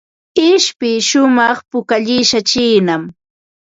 Ishpi shumaq pukallishqa chiinam.